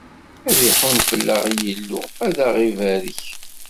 Ad iḥunn fell-aɣ, Yillu, a aɣ-ibarek.